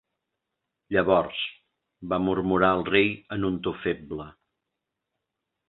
"Llavors", va murmurar el rei en un to feble.